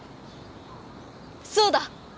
そうだ！